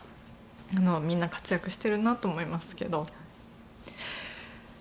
みんな活躍していると思いますけど。